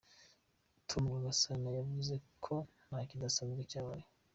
Tom Rwagasana, yavuze ko nta kidasanzwe cyabaye.